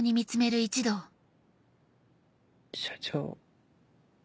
社長。